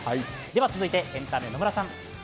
では続いてエンタメ、野村さん。